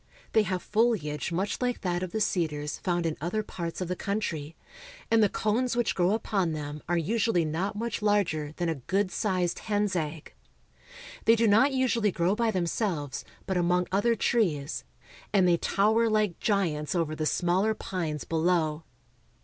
They have foliage much like that of the cedars found in other parts of the country, and the cones which grow upon them are usually not much larger than a good sized hen's egg. They do not usually grow by them selves, but among other trees, and they tower like giants over the smaller pines below.